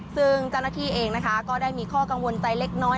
ซึ่งเจ้าหน้าที่เองนะคะก็ได้มีข้อกังวลใจเล็กน้อย